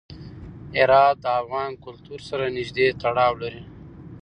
هرات د افغان کلتور سره نږدې تړاو لري.